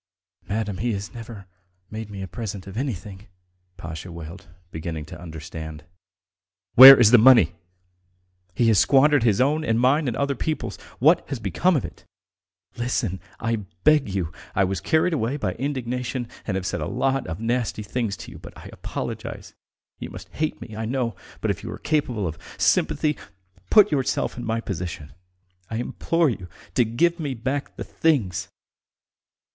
"Madam, he has never made me a present of anything!" Pasha wailed, beginning to understand. "Where is the money? He has squandered his own and mine and other people's. ... What has become of it all? Listen, I beg you! I was carried away by indignation and have said a lot of nasty things to you, but I apologize. You must hate me, I know, but if you are capable of sympathy, put yourself in my position! I implore you to give me back the things!"